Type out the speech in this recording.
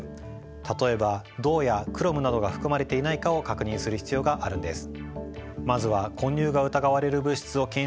例えば銅やクロムなどが含まれていないかを確認する必要があるんです。